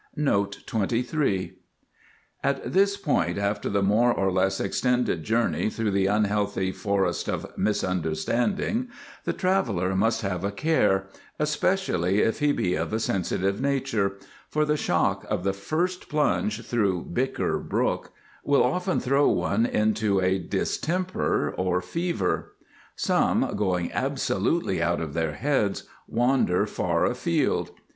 NOTE 23. At this point, after the more or less extended journey through the unhealthy Forest of Misunderstanding, the traveller must have a care, especially if he be of a sensitive nature, for the shock of the first plunge through Bicker Brook will often throw one into a distemper or fever. Some, going absolutely out of their heads, wander far afield.